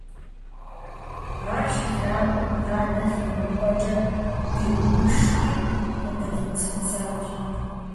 Ар щилъагъум, дадэ лъэныкъуэкӀэ дыӀуишри къыдэхъуцэцащ.